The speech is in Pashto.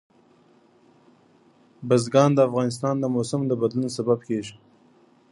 بزګان د افغانستان د موسم د بدلون سبب کېږي.